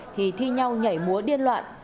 thì thi nhau nhảy múa điên loạn